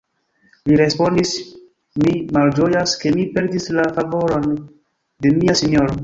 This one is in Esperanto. li respondis, mi malĝojas, ke mi perdis la favoron de mia sinjoro.